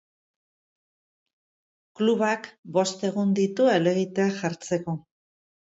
Klubak bost egun ditu helegitea jartzeko.